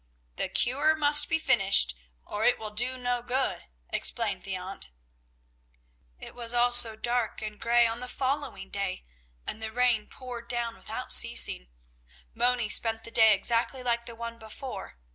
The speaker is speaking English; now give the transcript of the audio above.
"The cure must be finished, or it will do no good," explained the aunt. It was also dark and gray on the following day, and the rain poured down without ceasing. Moni spent the day exactly like the one before.